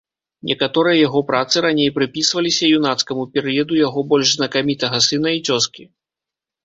Некаторыя яго працы раней прыпісваліся юнацкаму перыяду яго больш знакамітага сына і цёзкі.